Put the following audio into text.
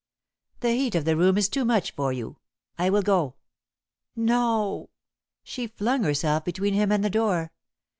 "The heat of the room is too much for you. I will go." "No!" She flung herself between him and the door.